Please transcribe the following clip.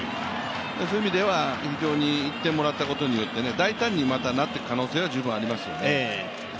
そういう意味では非常に１点もらったことによって大胆になっていく可能性がまだ十分ありますよね。